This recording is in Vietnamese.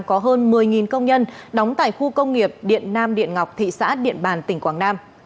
có hơn một mươi công nhân đóng tại khu công nghiệp điện nam điện ngọc thị xã điện bàn tỉnh quảng nam